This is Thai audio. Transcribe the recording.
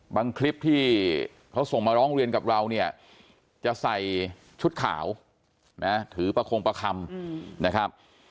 คลิปที่เขาส่งมาร้องเรียนกับเราเนี่ยจะใส่ชุดขาวนะถือประคงประคำนะครับ